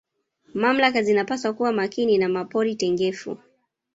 mamlaka zinapaswa kuwa Makini na mapori tengefu